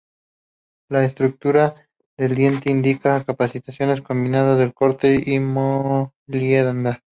La estructura del diente indica capacidades combinadas de corte y molienda.